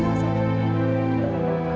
aku yang suapin ya